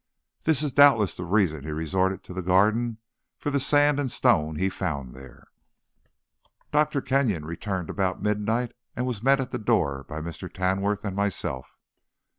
This is doubtless the reason he resorted to the garden for the sand and stone he found there. Dr. Kenyon returned about midnight, and was met at the door by Mr. Tamworth and myself.